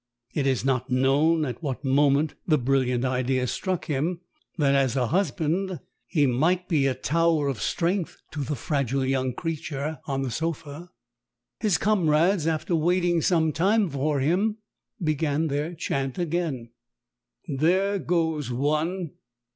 It is not known at what moment the brilliant idea struck him, that as a husband he might be a tower of strength to the fragile young creature on the sofa. His comrades after waiting some time for him began their chant again "There goes one.